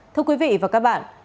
thưa quý vị và các bạn